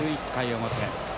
１１回表。